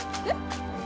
えっ。